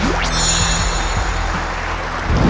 ตอบถูก๓ข้อรับ๔๐๐๐๐๐บาท